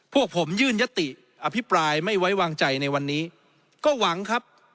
พวกผมยื่นยติอภิปรายไม่ไว้วางใจในวันนี้ก็หวังครับ